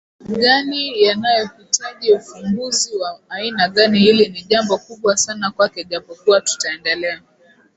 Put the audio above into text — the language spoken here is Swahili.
gani yanayohitaji ufumbuzi wa aina gani Hili ni jambo kubwa sana kwake japokuwa tutaendelea